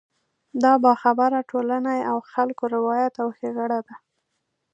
د باخبره ټولنې او خلکو روایت او ښېګړه ده.